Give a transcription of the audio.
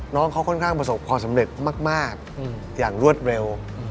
น้องเขาค่อนข้างประสบความสำเร็จมากอย่างรวดเร็ว